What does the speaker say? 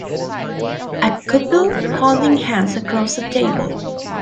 A couple holding hands across a table.